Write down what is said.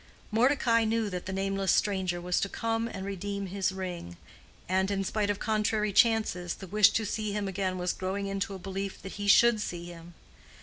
Mordecai knew that the nameless stranger was to come and redeem his ring; and, in spite of contrary chances, the wish to see him again was growing into a belief that he should see him.